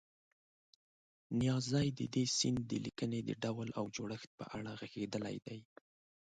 نیازی د دې سیند د لیکنې د ډول او جوړښت په اړه غږېدلی دی.